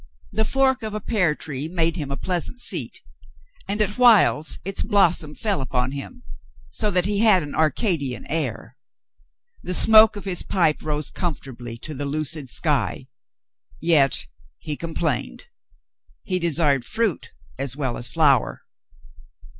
The fork of a pear tree made him a pleasant seat, and at whiles its blossom fell upon him, so that he had an Arcadian air. The smoke of his pipe rose comfortably to the lucid sky. Yet he complained. He desired fruit as well as flower.